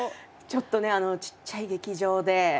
ちょっとねちっちゃい劇場で。